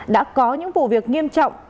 đã có những vụ việc nghiêm trọng